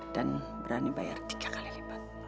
dan berani bayar tiga kali lipat